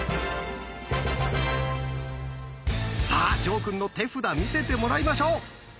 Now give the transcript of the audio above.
さあ呈くんの手札見せてもらいましょう。